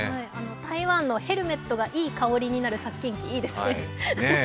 台湾の、ヘルメットがいい香りになる殺菌機いいですね。